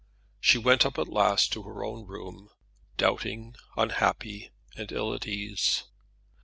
She went up at last to her room doubting, unhappy, and ill at ease.